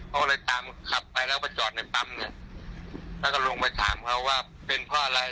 เขาก็เลยตามขับไปแล้วมาจอดในปั๊มเนี่ยแล้วก็ลงไปถามเขาว่าเป็นเพราะอะไร